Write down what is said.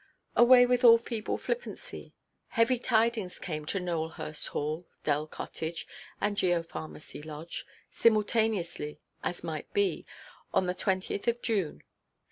Away with all feeble flippancy! Heavy tidings came to Nowelhurst Hall, Dell Cottage, and Geopharmacy Lodge, simultaneously, as might be, on the 20th of June.